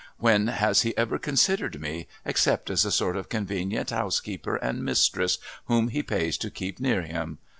When has he ever considered me except as a sort of convenient housekeeper and mistress whom he pays to keep near him?